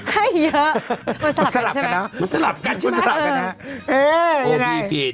ให้เยอะมันสลับกันใช่ไหมมันสลับกันใช่ไหมเอ้อ